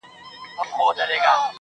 • زما د زړه ډېوه روښانه سي.